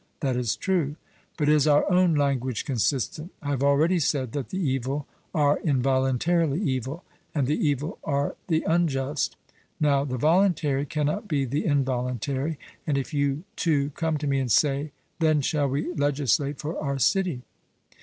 'That is true.' But is our own language consistent? I have already said that the evil are involuntarily evil; and the evil are the unjust. Now the voluntary cannot be the involuntary; and if you two come to me and say, 'Then shall we legislate for our city?'